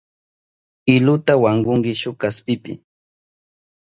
Iluta wankunki shuk kaspipi.